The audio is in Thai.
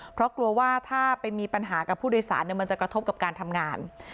เพราะกลัวว่าถ้าไปมีปัญหากับผู้โดยสารมันจะกระทบกับการทำงาน